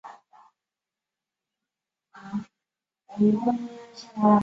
毕业于国立成功大学化学系。